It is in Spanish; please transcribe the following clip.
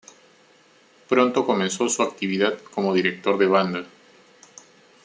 Pronto comenzó su actividad como director de banda.